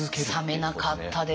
冷めなかったですね。